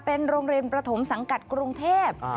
เป็นโรงเรียนประถมสังกัดกรุงเทพ